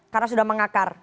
karena sudah mengakar